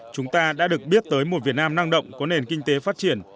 chúng ta đã được biết tới một việt nam năng động có nền kinh tế phát triển